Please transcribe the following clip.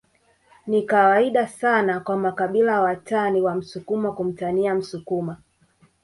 Ni kawaida sana kwa makabila watani wa msukuma kumtania msukuma